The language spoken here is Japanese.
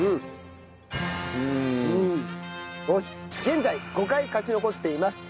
現在５回勝ち残っています